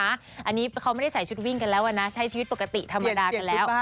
อันนี้เขาไม่ได้ใส่ชุดวิ่งกันแล้วนะใช้ชีวิตปกติธรรมดากันแล้ว